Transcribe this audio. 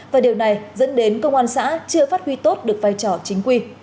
và điều này dẫn đến công an xã chưa phát huy tốt được vai trò chính quy